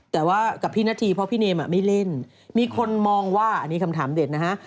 แต่ว่ากับพี่นาธีเพราะพี่เนมไม่เล่นมีคนมองว่าอันนี้คำถามเด็ดนะฮะ